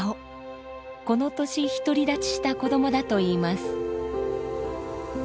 この年独り立ちした子どもだといいます。